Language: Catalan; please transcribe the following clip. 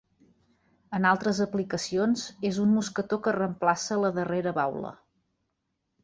En altres aplicacions és un mosquetó que reemplaça la darrera baula.